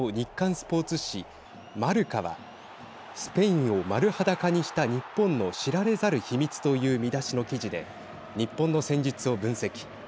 スポーツ紙マルカはスペインを丸裸にした日本の知られざる秘密という見出しの記事で日本の戦術を分析。